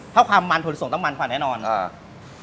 เท่าความมันถั่วลิสงต้องมันควรแน่นอนอ่า